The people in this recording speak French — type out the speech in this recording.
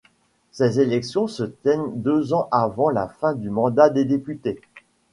Ces élections se tiennent deux ans avant la fin du mandat des députés.